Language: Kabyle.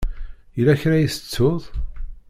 Yella kra i tettuḍ?